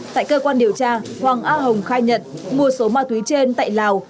tại cơ quan điều tra hoàng a hồng khai nhận mua số ma túy trên tại lào